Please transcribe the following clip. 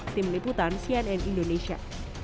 tim liputan cnn indonesia